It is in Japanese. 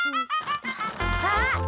あっ！